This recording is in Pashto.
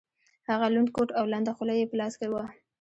هغه لوند کوټ او لنده خولۍ یې په لاس کې وه.